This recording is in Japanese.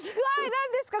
何ですか？